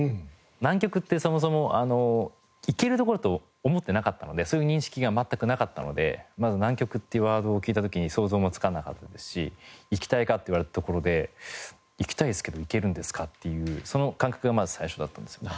南極ってそもそも行ける所と思ってなかったのでそういう認識が全くなかったのでまず南極ってワードを聞いた時に想像もつかなかったですし「行きたいか？」って言われたところで「行きたいですけど行けるんですか？」っていうその感覚がまず最初だったんですよね。